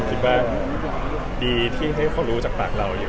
คิดว่าดีที่เขารู้จากปากเราอยู่